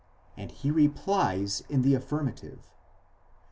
and he replies in the affirmative.